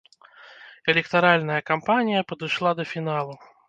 Электаральная кампанія падышла да фіналу.